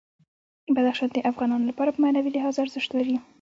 بدخشان د افغانانو لپاره په معنوي لحاظ ارزښت لري.